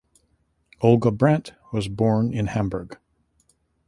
Olga Brandt was born in Hamburg.